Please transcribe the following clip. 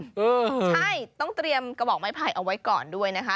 ใช่ต้องเตรียมกระบอกไม้ไผ่เอาไว้ก่อนด้วยนะคะ